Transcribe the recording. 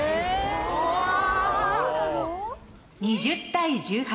２０対１８。